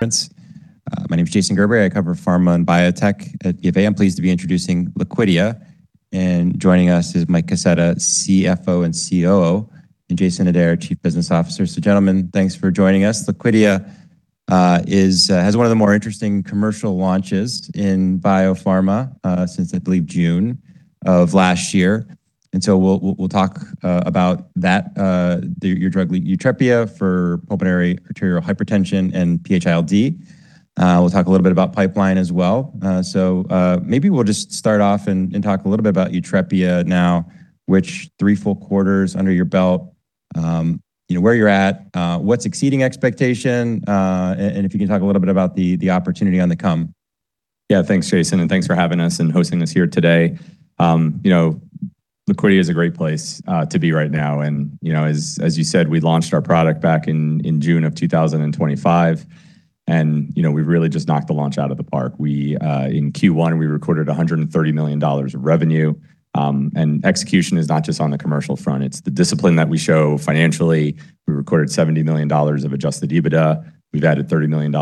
My name is Jason Gerberry. I cover Pharma and Biotech at Bank of America. I'm pleased to be introducing Liquidia, and joining us is Mike Kaseta, CFO and COO, and Jason Adair, Chief Business Officer. Gentlemen, thanks for joining us. Liquidia has one of the more interesting commercial launches in biopharma, since I believe June of last year. We'll talk about that, your drug YUTREPIA for pulmonary arterial hypertension and PH-ILD. We'll talk a little bit about pipeline as well. Maybe we'll just start off and talk a little bit about YUTREPIA now, which three full quarters under your belt, you know, where you're at, what's exceeding expectation, and if you can talk a little bit about the opportunity on the come. Thanks, Jason, and thanks for having us and hosting us here today. You know, Liquidia is a great place to be right now and, you know, as you said, we launched our product back in June of 2025 and, you know, we've really just knocked the launch out of the park. We in Q1 we recorded $130 million of revenue, execution is not just on the commercial front, it's the discipline that we show financially. We recorded $70 million of adjusted EBITDA. We've added $30 million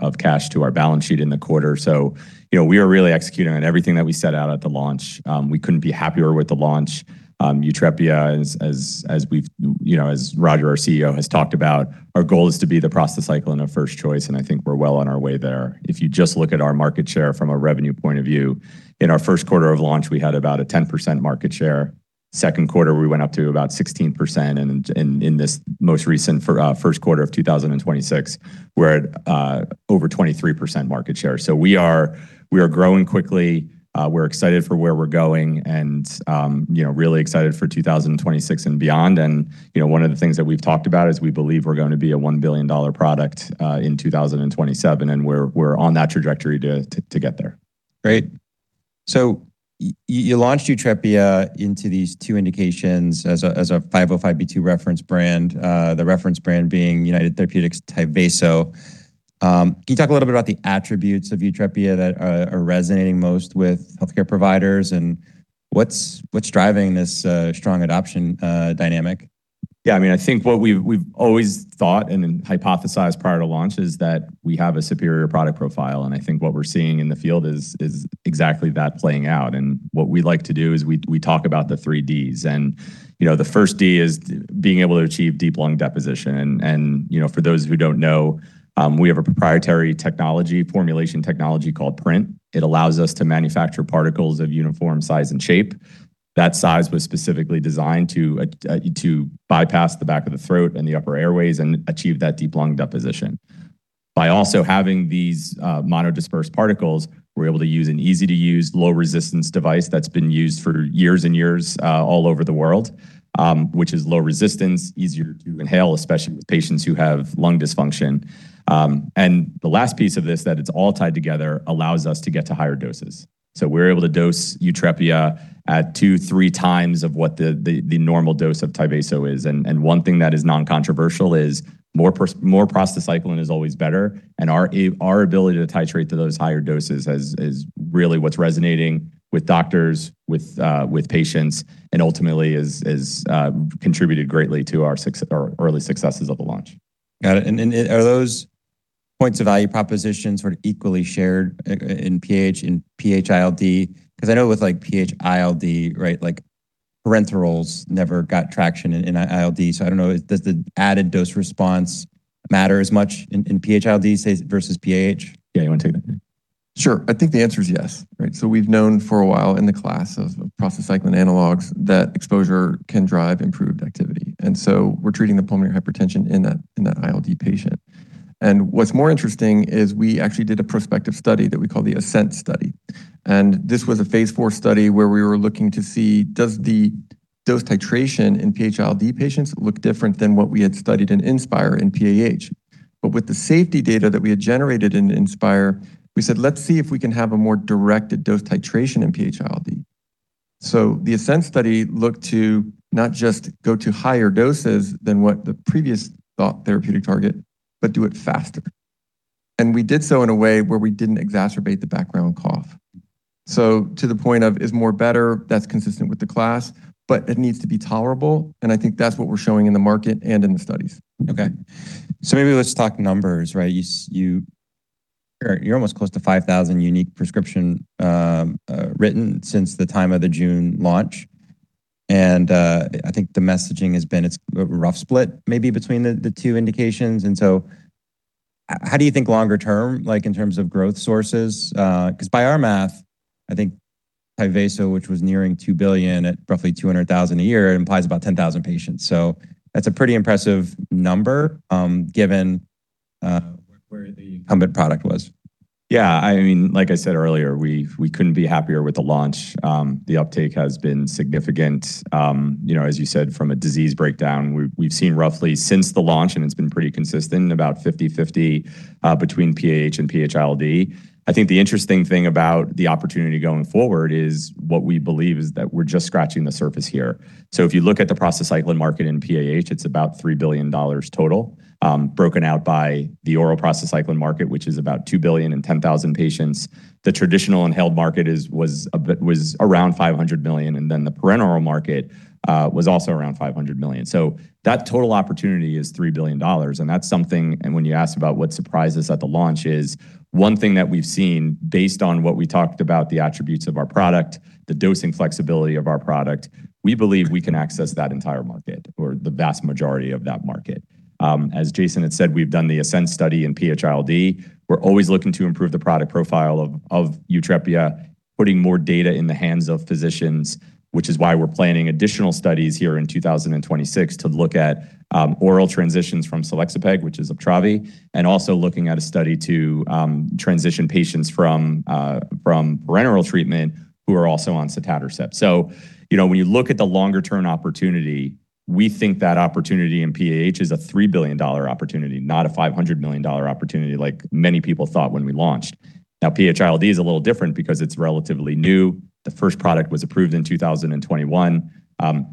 of cash to our balance sheet in the quarter. You know, we are really executing on everything that we set out at the launch. We couldn't be happier with the launch. YUTREPIA as we've you know, as Roger, our CEO, has talked about, our goal is to be the prostacyclin of first choice, and I think we're well on our way there. If you just look at our market share from a revenue point of view, in our first quarter of launch, we had about a 10% market share. Second quarter, we went up to about 16% and in this most recent first quarter of 2026, we're at over 23% market share. We are growing quickly. We're excited for where we're going and, you know, really excited for 2026 and beyond. You know, one of the things that we've talked about is we believe we're going to be a $1 billion product, in 2027, and we're on that trajectory to get there. Great. You launched YUTREPIA into these two indications as a 505(b)(2) reference brand, the reference brand being United Therapeutics TYVASO. Can you talk a little bit about the attributes of YUTREPIA that are resonating most with healthcare providers and what's driving this strong adoption dynamic? Yeah. I mean, I think what we've always thought and then hypothesized prior to launch is that we have a superior product profile, and I think what we're seeing in the field is exactly that playing out. What we like to do is we talk about the three Ds. You know, the first D is being able to achieve deep lung deposition. You know, for those who don't know, we have a proprietary technology, formulation technology called PRINT. It allows us to manufacture particles of uniform size and shape. That size was specifically designed to bypass the back of the throat and the upper airways and achieve that deep lung deposition. By also having these monodisperse particles, we're able to use an easy-to-use low resistance device that's been used for years and years all over the world, which is low resistance, easier to inhale, especially with patients who have lung dysfunction. The last piece of this that it's all tied together allows us to get to higher doses. We're able to dose YUTREPIA at two, three times of what the normal dose of TYVASO is. One thing that is non-controversial is more prostacyclin is always better, and our ability to titrate to those higher doses is really what's resonating with doctors, with patients, and ultimately is contributed greatly to our early successes of the launch. Got it. Are those points of value proposition sort of equally shared in PH and PH-ILD? I know with PH-ILD, right, parenterals never got traction in ILD. I don't know, does the added dose response matter as much in PH-ILD say versus PH? Yeah. You wanna take that? Sure. I think the answer is yes, right? We've known for a while in the class of prostacyclin analogs that exposure can drive improved activity, and so we're treating the pulmonary hypertension in that ILD patient. What's more interesting is we actually did a prospective study that we call the ASCENT study. This was a phase IV study where we were looking to see does the dose titration in PH-ILD patients look different than what we had studied in INSPIRE in PAH. With the safety data that we had generated in INSPIRE, we said, "Let's see if we can have a more directed dose titration in PH-ILD." The ASCENT study looked to not just go to higher doses than what the previous thought therapeutic target, but do it faster. We did so in a way where we didn't exacerbate the background cough. To the point of is more better, that's consistent with the class, but it needs to be tolerable, and I think that's what we're showing in the market and in the studies. Okay. Maybe let's talk numbers, right? You're almost close to 5,000 unique prescription written since the time of the June launch, I think the messaging has been it's a rough split maybe between the two indications. How do you think longer term, like in terms of growth sources? 'Cause by our math, I think TYVASO, which was nearing $2 billion at roughly $200,000 a year, implies about 10,000 patients. That's a pretty impressive number, given where the incumbent product was. I mean, like I said earlier, we couldn't be happier with the launch. The uptake has been significant. You know, as you said, from a disease breakdown, we've seen roughly since the launch, and it's been pretty consistent, about 50/50 between PAH and PH-ILD. I think the interesting thing about the opportunity going forward is what we believe is that we're just scratching the surface here. If you look at the prostacyclin market in PAH, it's about $3 billion total, broken out by the oral prostacyclin market, which is about $2 billion in 10,000 patients. The traditional inhaled market was around $500 million, the parenteral market was also around $500 million. That total opportunity is $3 billion. When you ask about what surprises at the launch is one thing that we've seen based on what we talked about, the attributes of our product, the dosing flexibility of our product, we believe we can access that entire market or the vast majority of that market. As Jason had said, we've done the ASCENT study in PH-ILD. We're always looking to improve the product profile of YUTREPIA, putting more data in the hands of physicians, which is why we're planning additional studies here in 2026 to look at oral transitions from selexipag, which is UPTRAVI, and also looking at a study to transition patients from parenteral treatment who are also on sotatercept. You know, when you look at the longer-term opportunity, we think that opportunity in PAH is a $3 billion opportunity, not a $500 million opportunity like many people thought when we launched. PH-ILD is a little different because it's relatively new. The first product was approved in 2021.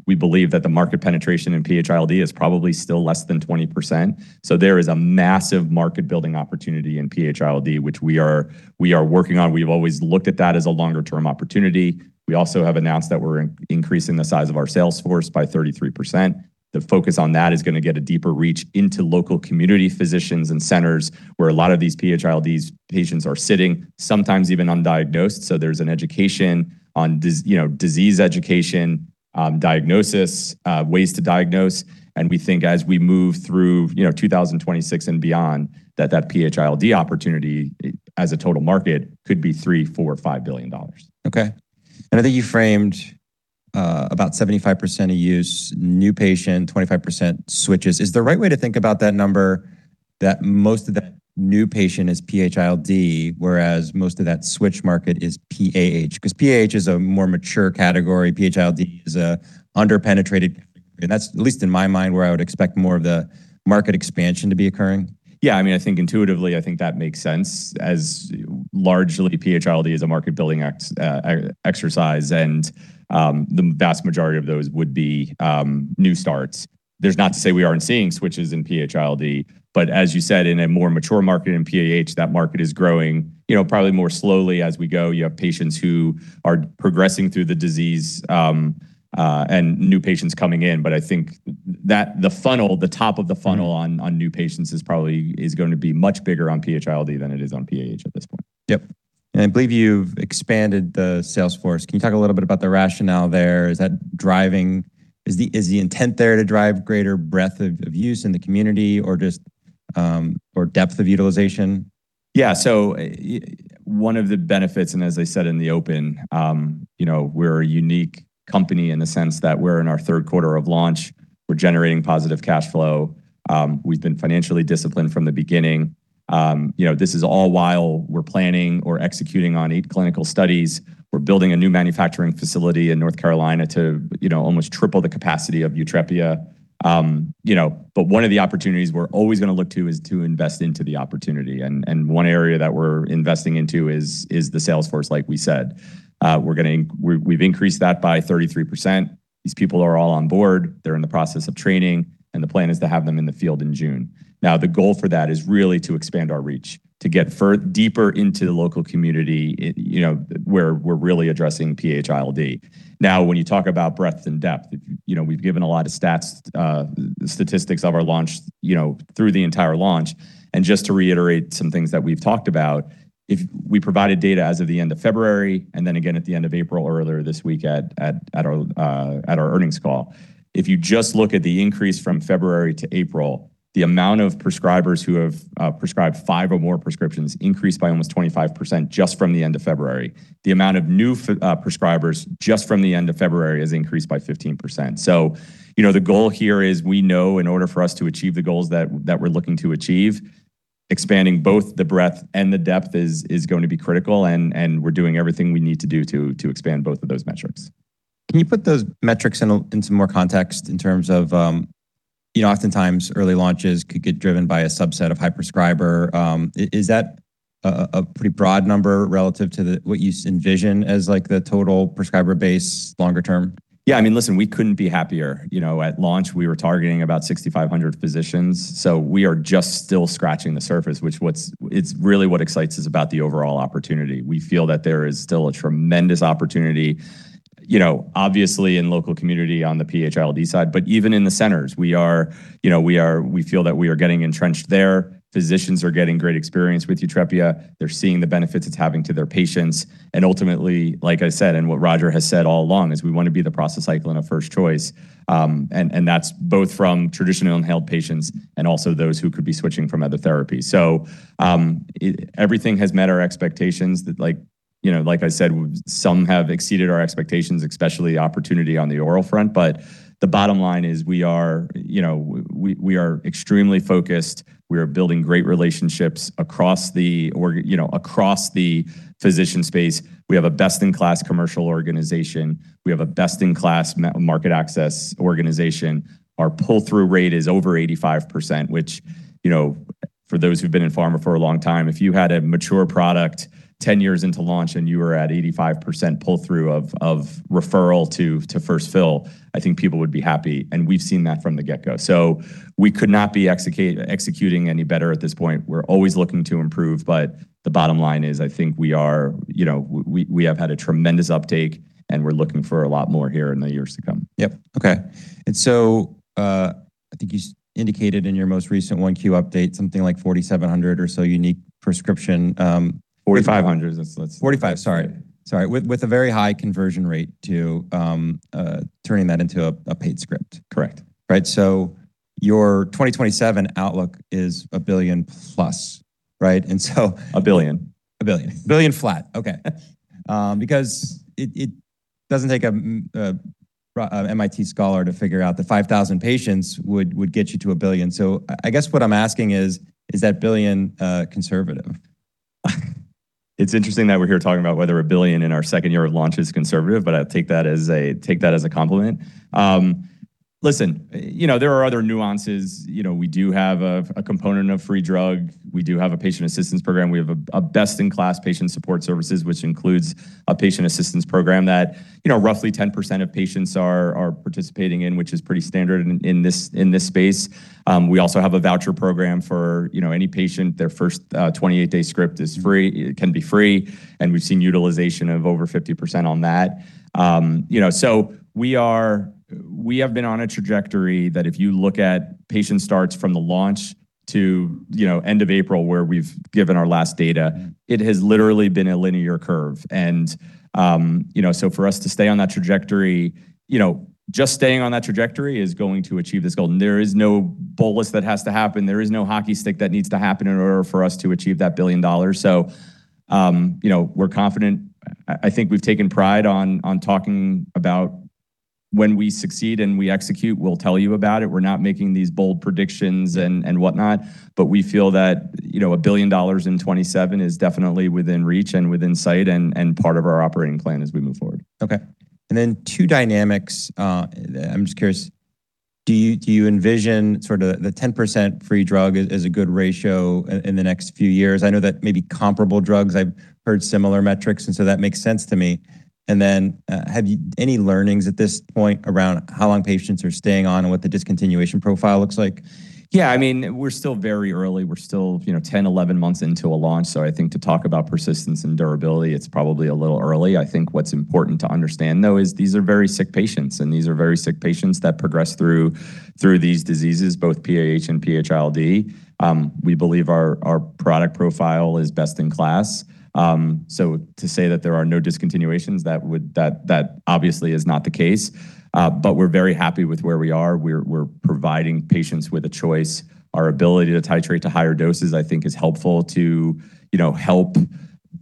We believe that the market penetration in PH-ILD is probably still less than 20%. There is a massive market building opportunity in PH-ILD, which we are working on. We've always looked at that as a longer-term opportunity. We also have announced that we're increasing the size of our sales force by 33%. The focus on that is gonna get a deeper reach into local community physicians and centers where a lot of these PH-ILD patients are sitting, sometimes even undiagnosed. There's an education on you know, disease education, diagnosis, ways to diagnose. We think as we move through, you know, 2026 and beyond, that PH-ILD opportunity, as a total market, could be $3 billion-$5 billion. Okay. I think you framed about 75% of use new patient, 25% switches. Is the right way to think about that number that most of that new patient is PH-ILD, whereas most of that switch market is PAH? PAH is a more mature category, PH-ILD is a under-penetrated, and that's at least in my mind, where I would expect more of the market expansion to be occurring. I mean, I think intuitively, I think that makes sense as largely PH-ILD is a market-building exercise, and the vast majority of those would be new starts. There's not to say we aren't seeing switches in PH-ILD, but as you said, in a more mature market in PAH, that market is growing, you know, probably more slowly as we go. You have patients who are progressing through the disease and new patients coming in. I think that the funnel, the top of the funnel on new patients is probably going to be much bigger on PH-ILD than it is on PAH at this point. Yep. I believe you've expanded the sales force. Can you talk a little bit about the rationale there? Is the intent there to drive greater breadth of use in the community or just depth of utilization? One of the benefits, and as I said in the open, you know, we're a unique company in the sense that we're in our third quarter of launch. We're generating positive cash flow. We've been financially disciplined from the beginning. You know, this is all while we're planning or executing on eight clinical studies. We're building a new manufacturing facility in North Carolina to, you know, almost triple the capacity of YUTREPIA. You know, one of the opportunities we're always gonna look to is to invest into the opportunity. One area that we're investing into is the sales force, like we said. We've increased that by 33%. These people are all on board. They're in the process of training, and the plan is to have them in the field in June. Now, the goal for that is really to expand our reach, to get deeper into the local community, you know, where we're really addressing PH-ILD. Now, when you talk about breadth and depth, you know, we've given a lot of stats, statistics of our launch, you know, through the entire launch. Just to reiterate some things that we've talked about, if we provided data as of the end of February and then again at the end of April, earlier this week at our earnings call. If you just look at the increase from February to April, the amount of prescribers who have prescribed five or more prescriptions increased by almost 25% just from the end of February. The amount of new prescribers just from the end of February has increased by 15%. You know, the goal here is we know in order for us to achieve the goals that we're looking to achieve, expanding both the breadth and the depth is going to be critical, and we're doing everything we need to do to expand both of those metrics. Can you put those metrics in a, in some more context in terms of, you know, oftentimes early launches could get driven by a subset of high prescriber. Is that a pretty broad number relative to the, what you envision as like the total prescriber base longer term? Yeah. I mean, listen, we couldn't be happier. You know, at launch, we were targeting about 6,500 physicians, so we are just still scratching the surface, which it's really what excites us about the overall opportunity. We feel that there is still a tremendous opportunity, you know, obviously in local community on the PH-ILD side, but even in the centers. We are, you know, we feel that we are getting entrenched there. Physicians are getting great experience with YUTREPIA. They're seeing the benefits it's having to their patients. Ultimately, like I said, and what Roger has said all along, is we wanna be the prostacyclin of first choice. That's both from traditional inhaled patients and also those who could be switching from other therapies. Everything has met our expectations, you know, like I said, some have exceeded our expectations, especially opportunity on the oral front. The bottom line is we are, you know, we are extremely focused. We are building great relationships across the org, you know, across the physician space. We have a best-in-class commercial organization. We have a best-in-class market access organization. Our pull-through rate is over 85%, which, you know, for those who've been in pharma for a long time, if you had a mature product 10 years into launch and you were at 85% pull-through of referral to first fill, I think people would be happy, and we've seen that from the get-go. We could not be executing any better at this point. We're always looking to improve. The bottom line is, I think we are, you know, we have had a tremendous uptake. We're looking for a lot more here in the years to come. Yep. Okay. I think you indicated in your most recent 1Q update something like $4,700 or so unique prescription. $4,500. $4,500, sorry. With a very high conversion rate to turning that into a paid script. Correct. Right. Your 2027 outlook is $1 billion plus, right? $1 billion. $1 billion. $1 billion flat. Okay. It doesn't take a MIT scholar to figure out that 5,000 patients would get you to $1 billion. I guess what I'm asking is that $1 billion conservative? It's interesting that we're here talking about whether $1 billion in our second year of launch is conservative. I take that as a compliment. Listen, you know, there are other nuances. You know, we do have a component of free drug. We do have a patient assistance program. We have a best-in-class patient support services, which includes a patient assistance program that, you know, roughly 10% of patients are participating in, which is pretty standard in this space. We also have a voucher program for, you know, any patient. Their first 28-day script is free, it can be free. We've seen utilization of over 50% on that. You know, we have been on a trajectory that if you look at patient starts from the launch to, you know, end of April, where we've given our last data. it has literally been a linear curve. You know, for us to stay on that trajectory, you know, just staying on that trajectory is going to achieve this goal. There is no bolus that has to happen. There is no hockey stick that needs to happen in order for us to achieve that $1 billion. You know, we're confident. I think we've taken pride on talking about when we succeed and we execute, we'll tell you about it. We're not making these bold predictions and whatnot. We feel that, you know, $1 billion in 2027 is definitely within reach and within sight and part of our operating plan as we move forward. Okay. 2 dynamics, I'm just curious. Do you envision sort of the 10% free drug as a good ratio in the next few years? I know that maybe comparable drugs, I've heard similar metrics, so that makes sense to me. Have you any learnings at this point around how long patients are staying on and what the discontinuation profile looks like? Yeah, I mean, we're still very early. We're still, you know, 10, 11 months into a launch. I think to talk about persistence and durability, it's probably a little early. I think what's important to understand, though, is these are very sick patients, and these are very sick patients that progress through these diseases, both PAH and PH-ILD. We believe our product profile is best in class. To say that there are no discontinuations, that obviously is not the case. We're very happy with where we are. We're providing patients with a choice. Our ability to titrate to higher doses, I think, is helpful to, you know, help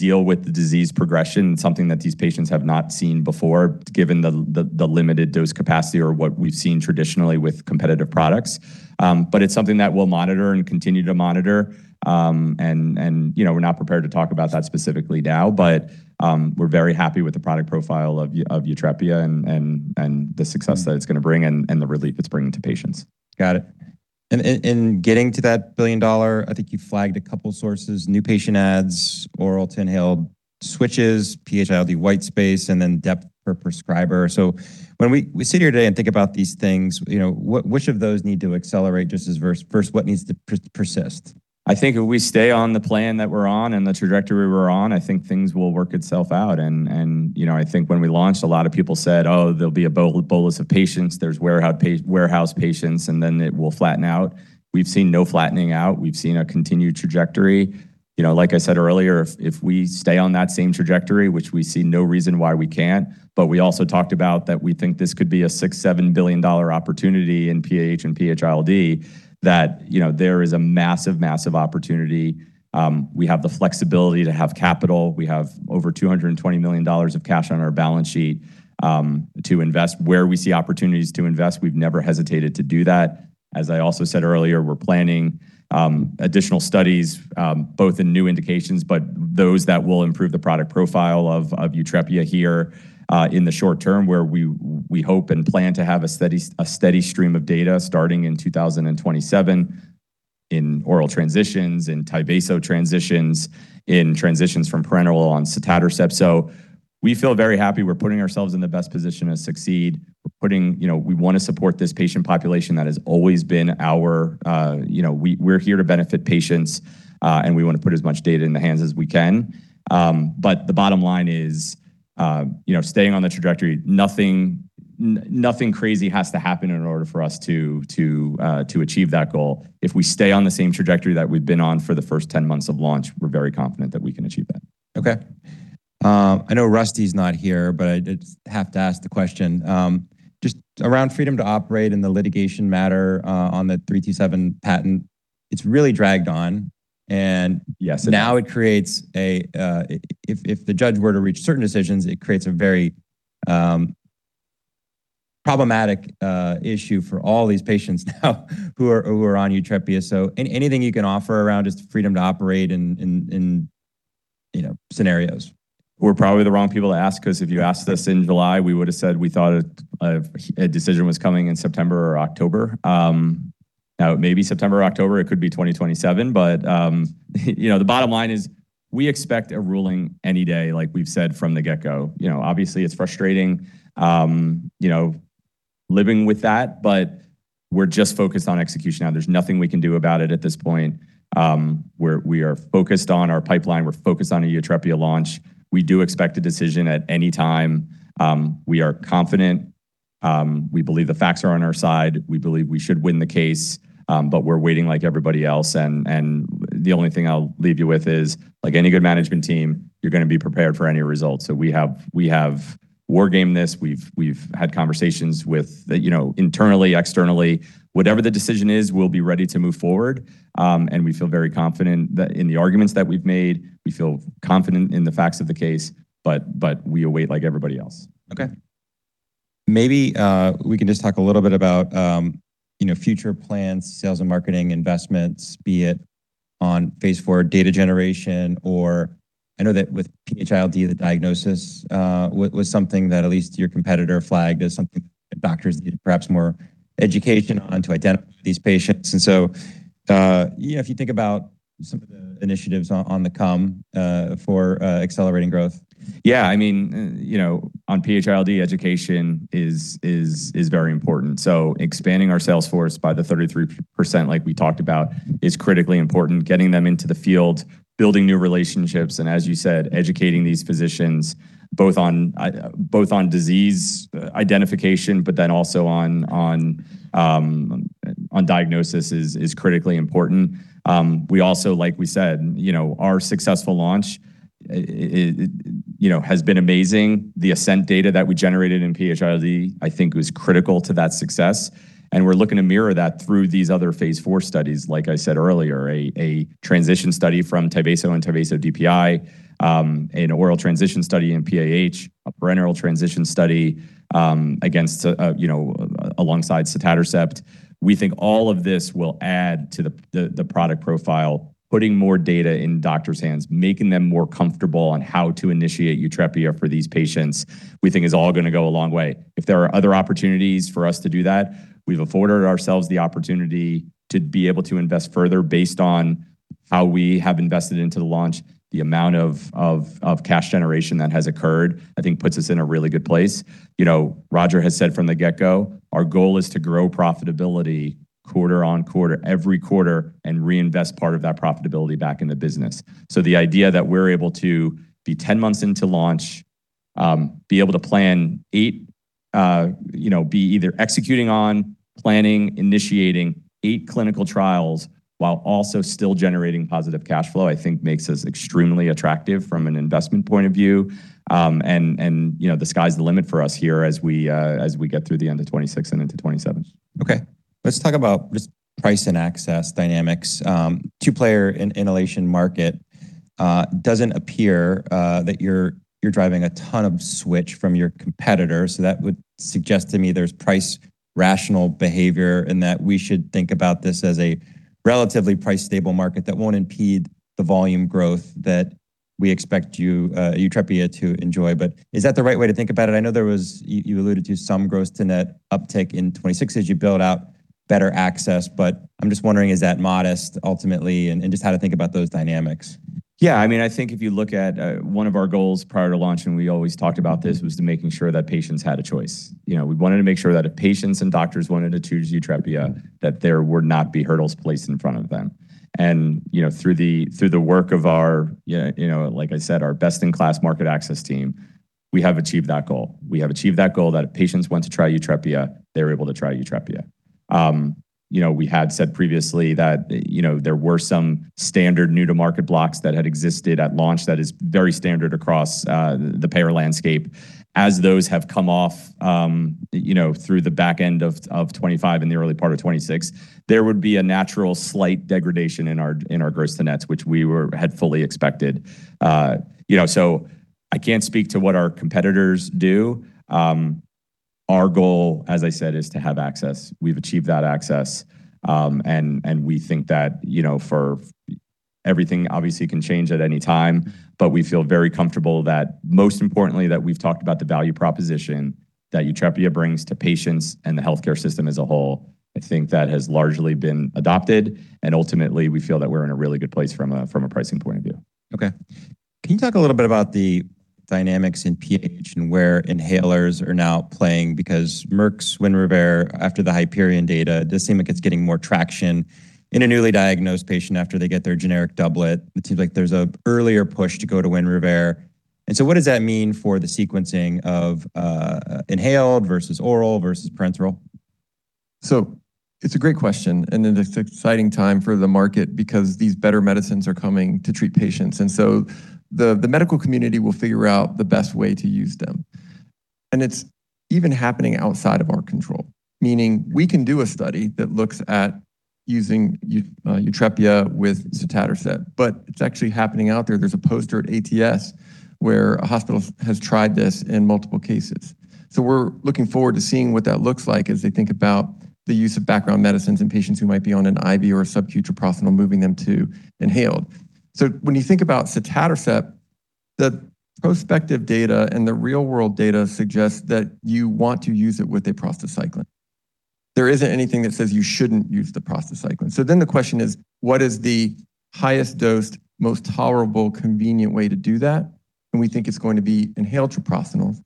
deal with the disease progression, something that these patients have not seen before, given the limited dose capacity or what we've seen traditionally with competitive products. It's something that we'll monitor and continue to monitor. You know, we're not prepared to talk about that specifically now, but, we're very happy with the product profile of YUTREPIA and the success that it's gonna bring and the relief it's bringing to patients. Got it. In getting to that $1 billion, I think you flagged a couple sources, new patient adds, oral to inhaled switches, PH-ILD white space, and then depth per prescriber. When we sit here today and think about these things, you know, which of those need to accelerate just as first what needs to persist? I think if we stay on the plan that we're on and the trajectory we're on, I think things will work itself out. You know, I think when we launched, a lot of people said, "Oh, there'll be a bolus of patients. There's warehouse patients, and then it will flatten out." We've seen no flattening out. We've seen a continued trajectory. You know, like I said earlier, if we stay on that same trajectory, which we see no reason why we can't, but we also talked about that we think this could be a $6, $7 billion dollar opportunity in PAH and PH-ILD, that, you know, there is a massive opportunity. We have the flexibility to have capital. We have over $220 million of cash on our balance sheet to invest where we see opportunities to invest. We've never hesitated to do that. As I also said earlier, we're planning additional studies both in new indications, but those that will improve the product profile of YUTREPIA here in the short term, where we hope and plan to have a steady stream of data starting in 2027 in oral transitions, in TYVASO transitions, in transitions from parenteral on sotatercept. We feel very happy. We're putting ourselves in the best position to succeed. We're putting You know, we wanna support this patient population. That has always been our, you know We're here to benefit patients, and we wanna put as much data in the hands as we can. The bottom line is, you know, staying on the trajectory, nothing crazy has to happen in order for us to achieve that goal. If we stay on the same trajectory that we've been on for the first 10 months of launch, we're very confident that we can achieve that. Okay. I know Rusty's not here, but I just have to ask the question. Just around freedom to operate in the litigation matter on the 327 patent, it's really dragged on. Yes, it has. Now it creates if the judge were to reach certain decisions, it creates a very problematic issue for all these patients now who are on YUTREPIA. Anything you can offer around just freedom to operate in, you know, scenarios? We're probably the wrong people to ask, 'cause if you asked us in July, we would've said we thought a decision was coming in September or October. Now it may be September or October, it could be 2027. You know, the bottom line is we expect a ruling any day, like we've said from the get-go. You know, obviously it's frustrating, you know, living with that, but we're just focused on execution now. There's nothing we can do about it at this point. We are focused on our pipeline. We're focused on a YUTREPIA launch. We do expect a decision at any time. We are confident. We believe the facts are on our side. We believe we should win the case, but we're waiting like everybody else. The only thing I'll leave you with is, like any good management team, you're gonna be prepared for any result. We have war-gamed this. We've had conversations You know, internally, externally. Whatever the decision is, we'll be ready to move forward. We feel very confident that in the arguments that we've made, we feel confident in the facts of the case, but we await like everybody else. Okay. Maybe, we can just talk a little bit about, you know, future plans, sales and marketing investments, be it on phase IV data generation or I know that with PH-ILD, the diagnosis, was something that at least your competitor flagged as something that doctors needed perhaps more education on to identify these patients. Yeah, if you think about some of the initiatives on the come, for accelerating growth. On PH-ILD education is very important. Expanding our sales force by the 33% like we talked about is critically important. Getting them into the field, building new relationships, and as you said, educating these physicians both on disease identification, but then also on diagnosis is critically important. We also, like we said, our successful launch has been amazing. The ASCENT data that we generated in PH-ILD I think was critical to that success, and we're looking to mirror that through these other phase IV studies. Like I said earlier, a transition study from TYVASO and TYVASO DPI, an oral transition study in PAH, a parenteral transition study against alongside sotatercept. We think all of this will add to the product profile. Putting more data in doctors' hands, making them more comfortable on how to initiate YUTREPIA for these patients, we think is all gonna go a long way. If there are other opportunities for us to do that, we've afforded ourselves the opportunity to be able to invest further based on how we have invested into the launch. The amount of cash generation that has occurred, I think puts us in a really good place. You know, Roger has said from the get-go, our goal is to grow profitability quarter on quarter every quarter and reinvest part of that profitability back in the business. The idea that we're able to be 10 months into launch, be able to plan 8, be either executing on, planning, initiating eight clinical trials while also still generating positive cash flow, I think makes us extremely attractive from an investment point of view. The sky's the limit for us here as we get through the end of 2026 and into 2027. Okay. Let's talk about just price and access dynamics. Two-player in inhalation market, doesn't appear that you're driving a ton of switch from your competitor, so that would suggest to me there's price rational behavior and that we should think about this as a relatively price stable market that won't impede the volume growth that we expect you, YUTREPIA to enjoy. Is that the right way to think about it? I know there was You alluded to some gross to net uptick in 2026 as you build out better access, but I'm just wondering, is that modest ultimately, and just how to think about those dynamics. Yeah, I mean, I think if you look at one of our goals prior to launch, and we always talked about this, was to making sure that patients had a choice. You know, we wanted to make sure that if patients and doctors wanted to choose YUTREPIA, that there would not be hurdles placed in front of them. You know, through the work of our, yeah, you know, like I said, our best-in-class market access team, we have achieved that goal. We have achieved that goal that if patients want to try YUTREPIA, they're able to try YUTREPIA. You know, we had said previously that, you know, there were some standard new to market blocks that had existed at launch that is very standard across the payer landscape. As those have come off, you know, through the back end of 2025 and the early part of 2026, there would be a natural slight degradation in our, in our gross to nets, which we had fully expected. You know, I can't speak to what our competitors do. Our goal, as I said, is to have access. We've achieved that access, and we think that, you know, for Everything obviously can change at any time, but we feel very comfortable that most importantly, that we've talked about the value proposition that YUTREPIA brings to patients and the healthcare system as a whole. I think that has largely been adopted, and ultimately we feel that we're in a really good place from a, from a pricing point of view. Okay. Can you talk a little bit about the dynamics in PH and where inhalers are now playing? Merck's WINREVAIR, after the Hyperion data, does seem like it's getting more traction in a newly diagnosed patient after they get their generic doublet. It seems like there's a earlier push to go to WINREVAIR. What does that mean for the sequencing of, inhaled versus oral versus parenteral? It's a great question, it's an exciting time for the market because these better medicines are coming to treat patients. The medical community will figure out the best way to use them. It's even happening outside of our control, meaning we can do a study that looks at using YUTREPIA with sotatercept, but it's actually happening out there. There's a poster at ATS where a hospital has tried this in multiple cases. We're looking forward to seeing what that looks like as they think about the use of background medicines in patients who might be on an IV or a subcutaneous prostacyclin or moving them to inhaled. When you think about sotatercept, the prospective data and the real-world data suggests that you want to use it with a prostacyclin. There isn't anything that says you shouldn't use the prostacyclin. The question is, what is the highest dosed, most tolerable, convenient way to do that? We think it's going to be inhaled treprostinil.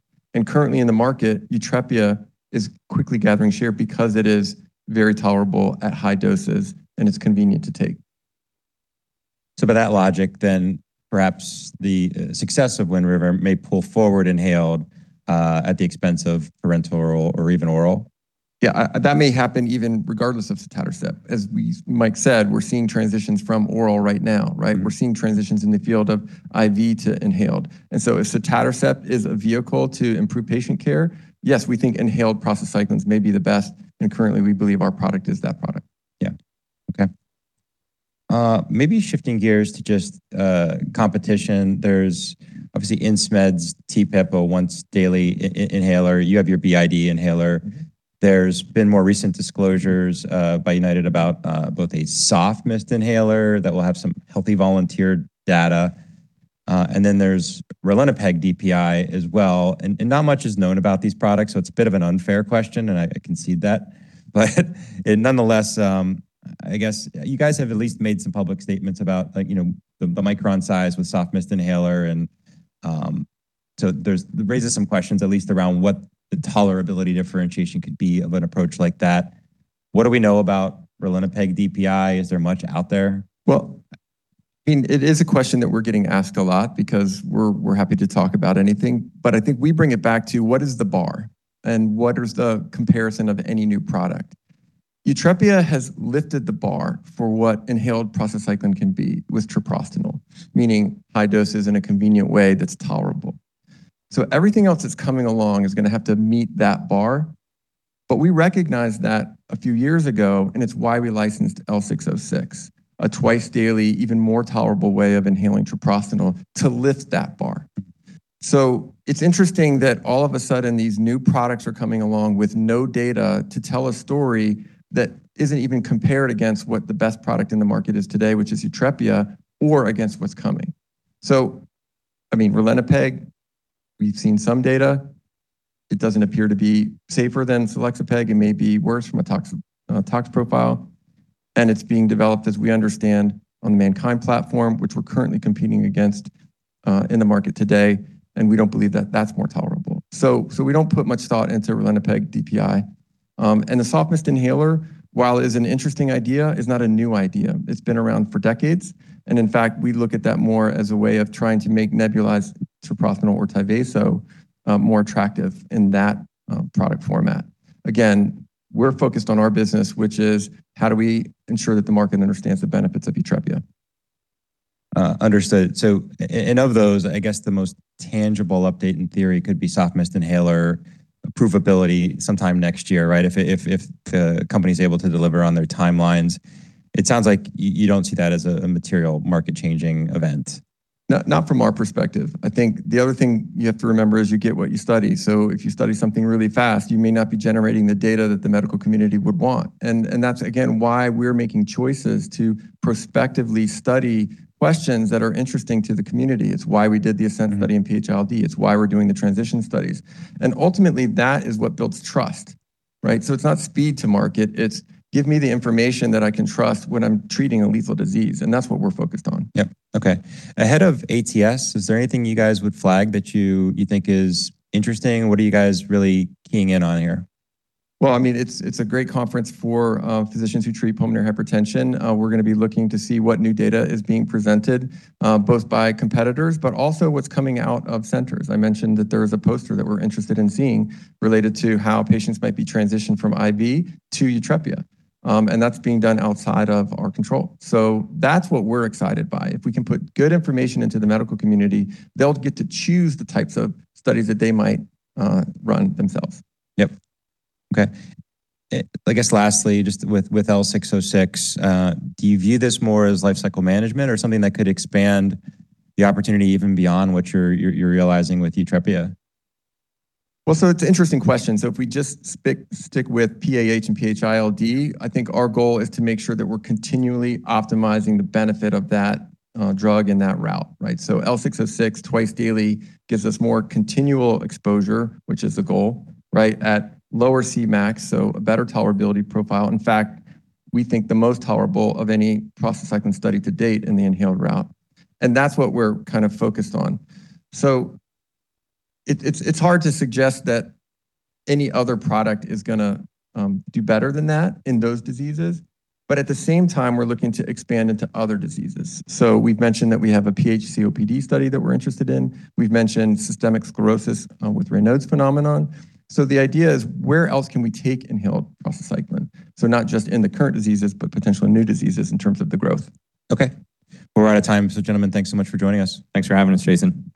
Currently in the market, YUTREPIA is quickly gathering share because it is very tolerable at high doses, and it's convenient to take. By that logic, perhaps the success of WINREVAIR may pull forward inhaled at the expense of parenteral or even oral? Yeah, that may happen even regardless of sotatercept. Mike said, we're seeing transitions from oral right now, right? We're seeing transitions in the field of IV to inhaled. If sotatercept is a vehicle to improve patient care, yes, we think inhaled prostacyclins may be the best, and currently, we believe our product is that product. Yeah. Okay. Maybe shifting gears to just competition. There's obviously Insmed's treprostinil once-daily inhaler. You have your BID inhaler. There's been more recent disclosures by United about both a soft mist inhaler that will have some healthy volunteer data. Then there's ralinepag DPI as well. Not much is known about these products, so it's a bit of an unfair question, and I concede that. Nonetheless, I guess you guys have at least made some public statements about like, you know, the micron size with soft mist inhaler. It raises some questions, at least around what the tolerability differentiation could be of an approach like that. What do we know about ralinepag DPI? Is there much out there? Well, I mean, it is a question that we're getting asked a lot because we're happy to talk about anything. I think we bring it back to what is the bar, and what is the comparison of any new product. YUTREPIA has lifted the bar for what inhaled prostacyclin can be with treprostinil, meaning high doses in a convenient way that's tolerable. Everything else that's coming along is gonna have to meet that bar. We recognized that a few years ago, and it's why we licensed L606, a twice-daily, even more tolerable way of inhaling treprostinil to lift that bar. It's interesting that all of a sudden these new products are coming along with no data to tell a story that isn't even compared against what the best product in the market is today, which is YUTREPIA, or against what's coming. ralinepag, we've seen some data. It doesn't appear to be safer than selexipag. It may be worse from a tox profile. It's being developed, as we understand, on the MannKind platform, which we're currently competing against in the market today, and we don't believe that that's more tolerable. We don't put much thought into ralinepag DPI. The soft mist inhaler, while it is an interesting idea, is not a new idea. It's been around for decades. In fact, we look at that more as a way of trying to make nebulized treprostinil or TYVASO more attractive in that product format. Again, we're focused on our business, which is how do we ensure that the market understands the benefits of YUTREPIA. Understood. And of those, I guess the most tangible update in theory could be soft mist inhaler approvability sometime next year, right? If the company's able to deliver on their timelines. It sounds like you don't see that as a material market-changing event. Not, not from our perspective. I think the other thing you have to remember is you get what you study. If you study something really fast, you may not be generating the data that the medical community would want. That's again why we're making choices to prospectively study questions that are interesting to the community. It's why we did the ASCENT study in PH-ILD. It's why we're doing the transition studies. Ultimately, that is what builds trust, right? It's not speed to market, it's give me the information that I can trust when I'm treating a lethal disease, and that's what we're focused on. Yep. Okay. Ahead of ATS, is there anything you guys would flag that you think is interesting? What are you guys really keying in on here? Well, I mean, it's a great conference for physicians who treat pulmonary hypertension. We're gonna be looking to see what new data is being presented, both by competitors, also what's coming out of centers. I mentioned that there's a poster that we're interested in seeing related to how patients might be transitioned from IV to YUTREPIA. That's being done outside of our control. That's what we're excited by. If we can put good information into the medical community, they'll get to choose the types of studies that they might run themselves. Yep. Okay. I guess lastly, just with L606, do you view this more as lifecycle management or something that could expand the opportunity even beyond what you're realizing with YUTREPIA? It's an interesting question. If we just stick with PAH and PH-ILD, I think our goal is to make sure that we're continually optimizing the benefit of that drug and that route, right? L606 twice daily gives us more continual exposure, which is the goal, right, at lower Cmax, so a better tolerability profile. In fact, we think the most tolerable of any prostacyclin study to date in the inhaled route. That's what we're kind of focused on. It's hard to suggest that any other product is gonna do better than that in those diseases. At the same time, we're looking to expand into other diseases. We've mentioned that we have a PH-COPD study that we're interested in. We've mentioned systemic sclerosis with Raynaud's phenomenon. The idea is where else can we take inhaled prostacyclin? Not just in the current diseases, but potentially new diseases in terms of the growth. Okay. We're out of time. Gentlemen, thanks so much for joining us. Thanks for having us, Jason.